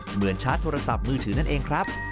ชาร์จโทรศัพท์มือถือนั่นเองครับ